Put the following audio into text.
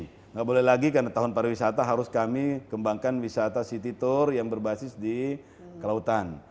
tidak boleh lagi karena tahun pariwisata harus kami kembangkan wisata city tour yang berbasis di kelautan